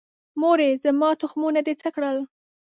مورې، زما تخمونه دې څه کړل؟